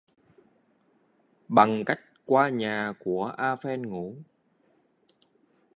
Bằng cách qua nhà của A Pheng ngủ